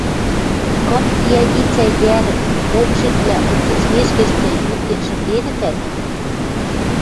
Кым пиӓницӓ йӓрӹм Мокшинвлӓ уксыцмешкӹштӹ йӱктен шӹнденӹтӓт